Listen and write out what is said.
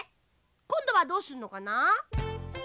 こんどはどうするのかな？